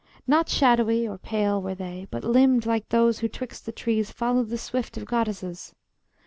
Not shadowy or pale were they, But limbed like those who 'twixt the trees Follow the swift of goddesses.